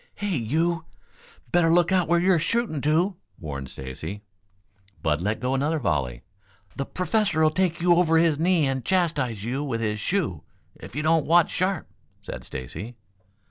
"Hey, you! Better look out where you're shooting to!" warned Stacy. Bud let go another volley. "The Professor'll take you over his knee and chastise you with his shoe, if you don't watch sharp," said Stacy.